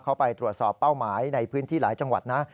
เข้าไปตรวจสอบเป้าหมายในพื้นที่หลายจังหวัดนะ